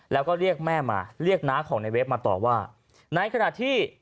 แล้วก็เรียกแม่มาเรียกน้าของในเฟฟมาต่อว่าในขณะที่